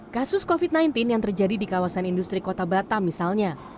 kasus covid sembilan belas yang terjadi di kawasan industri kota batam misalnya